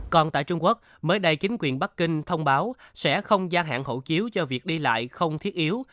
còn tại trung quốc mới đây chính quyền bắc kinh thông báo sẽ không gia hạn hộ chiếu cho việc đi lại không thiết yếu